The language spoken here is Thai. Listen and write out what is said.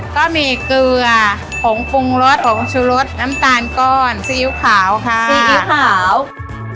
ก็มีเกลือผงปรุงรสผงชุรสน้ำตาลก้อนซีอิ๊วขาวค่ะซีอิ๊วขาว